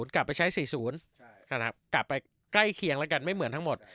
กลับไปใช้๔๐กลับไปใกล้เคียงแล้วกันไม่เหมือนทั้งหมด